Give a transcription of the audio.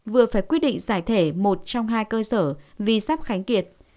vừa phải quyết định giải thể một trong hai cơ sở vì sắp khánh kiệt